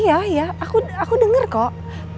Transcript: iya ya aku denger kok